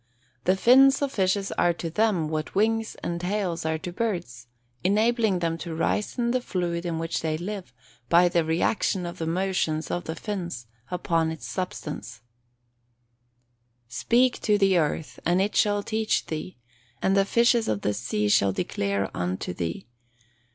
_ The fins of fishes are to them, what wings and tails are to birds, enabling them to rise in the fluid in which they live by the reaction of the motions of the fins upon its substance. [Verse: "Speak to the earth, and it shall teach thee; and the fishes of the sea shall declare unto thee.